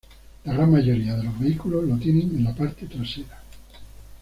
La gran mayoría de los vehículos lo tienen en la parte trasera.